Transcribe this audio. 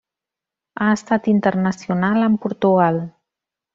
Ha estat internacional amb Portugal.